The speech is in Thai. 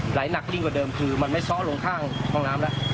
หนักยิ่งกว่าเดิมคือมันไม่ซ่อลงข้างห้องน้ำแล้ว